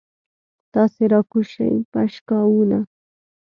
تاسې راکوز شئ پشکاوونه.